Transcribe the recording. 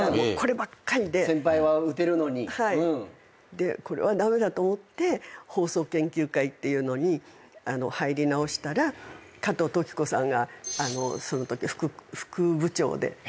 でこれは駄目だと思って放送研究会っていうのに入り直したら加藤登紀子さんがそのとき副部長でいらして。